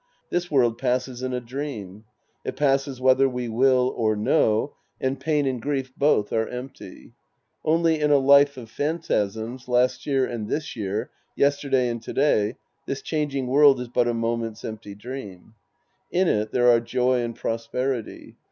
This world passes in a dream It passes whether we will or no, and pain and grief both are empty. Only, in a life of phantasms, last year and this year, yesterday and to day, this chang ing world is but a moment's empty dream. In it, there are joy and prosperity.